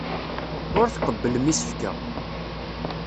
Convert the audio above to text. Ur tqebblem isefka.